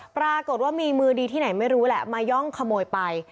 ปรากฏว่ามีมือดีที่ไหนไม่รู้แหละมาย่องขโมยไป